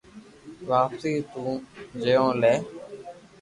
واپسي نوو جيون لئي